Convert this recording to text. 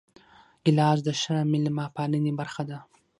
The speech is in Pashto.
ګیلاس د ښه میلمه پالنې برخه ده.